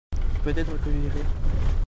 peut-être que j'irai.